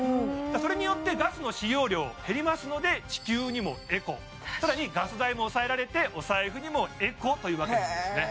それによってガスの使用量減りますので地球にもエコさらにガス代も抑えられてお財布にもエコというわけなんですね